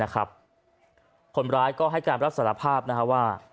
คนร้ายก็ให้การรับสารภาพว่า